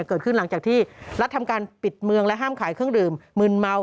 เกิดขึ้นหลังจากที่รัฐทำการปิดเมืองและห้ามขายเครื่องดื่มมืนเมา